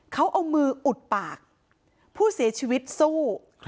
เขาเอามืออุดปากผู้เสียชีวิตสู้